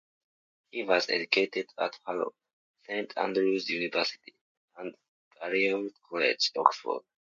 He was educated at Harrow, Saint Andrews University, and Balliol College, Oxford.